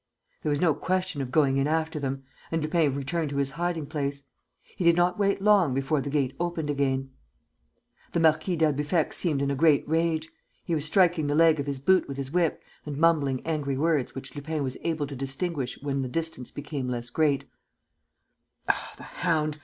There was no question of going in after them; and Lupin returned to his hiding place. He did not wait long before the gate opened again. The Marquis d'Albufex seemed in a great rage. He was striking the leg of his boot with his whip and mumbling angry words which Lupin was able to distinguish when the distance became less great: "Ah, the hound!...